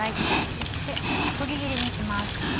そしてそぎ切りにします。